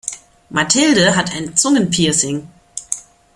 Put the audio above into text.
Mathilde hat ein Zungenpiercing.